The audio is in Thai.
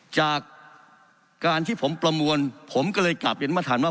จากการที่ผมประมวลผมก็เลยกลับเรียนมาฐานว่า